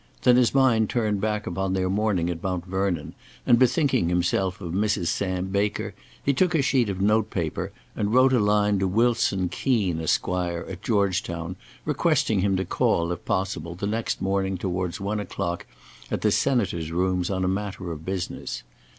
Then his mind turned back upon their morning at Mount Vernon, and bethinking himself of Mrs. Sam Baker, he took a sheet of note paper, and wrote a line to Wilson Keen, Esq., at Georgetown, requesting him to call, if possible, the next morning towards one o'clock at the Senator's rooms on a matter of business.